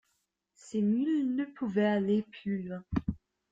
Ses mules ne pouvaient aller plus loin.